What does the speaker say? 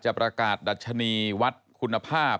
ประกาศดัชนีวัดคุณภาพ